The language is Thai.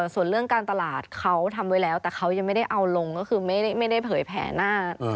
ส่วนเรื่องการตลาดเขาทำไว้แล้วแต่เขายังไม่ได้เอาลงก็คือไม่ได้เผยแผ่หน้า